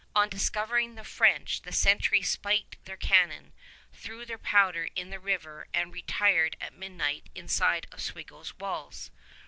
On discovering the French, the sentry spiked their cannon, threw their powder in the river, and retired at midnight inside Oswego's walls.